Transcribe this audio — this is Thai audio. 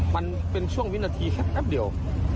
มันเป็นช่วงวินาทีแค่แป๊บเดียว